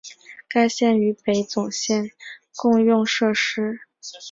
该线与北总线共用设施直至印幡日本医大站为止。